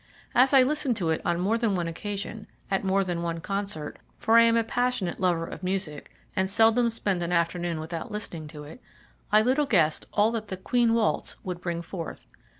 As I listened to it on more than one occasion, at more than one concert for I am a passionate lover of music, and seldom spend an afternoon without listening to it I little guessed all that the "Queen Waltz" would bring forth.